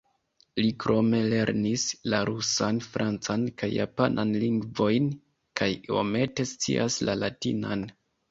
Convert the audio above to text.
Li krome lernis la rusan, francan kaj japanan lingvojn, kaj iomete scias la latinan.